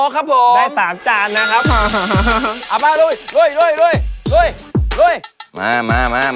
อ๋อครับผมได้๓จานนะครับอ๋อ